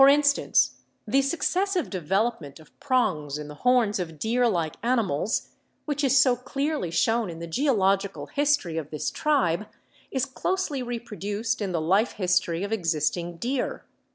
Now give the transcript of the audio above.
instance, the successive development of prongs in the horns of deer like animals, which is so clearly shown in the geological history of this tribe, is closely reproduced EVIDENCES OF ORGANIC DESCENT 149 in the life history of existing deer.